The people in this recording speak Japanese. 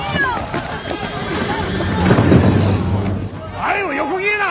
前を横切るな！